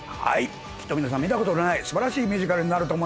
きっと見たことない素晴らしいミュージカルになると思います。